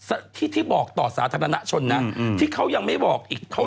อ่ะโอเคมาเรื่องนี้ดีกว่า